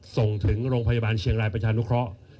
ส่งถึงโรงพยาบาลเชียงรายประชานุเคราะห์